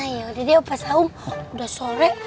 ya udah deh opa saum udah sore